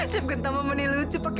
cepgenta mah mene lucu pak